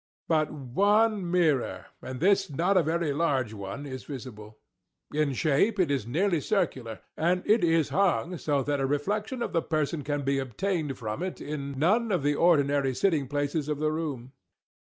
But one mirror—and this not a very large one—is visible. In shape it is nearly circular—and it is hung so that a reflection of the person can be obtained from it in none of the ordinary sitting places of the room.